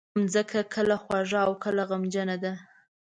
مځکه کله خوږه او کله غمجنه ده.